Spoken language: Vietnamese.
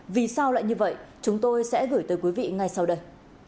vì sao lại như vậy chúng tôi sẽ gửi tới quý vị ngay sau đây